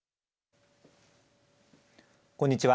こんにちは。